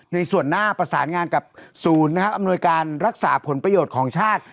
ในส่วนหน้าประสานงานกับศูนย์อำนวยการรักษาผลประโยชน์ของชาติ